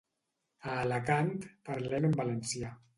A Alacant, parlem en valencià.